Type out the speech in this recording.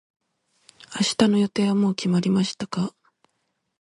明日の予定はもう決まりましたか。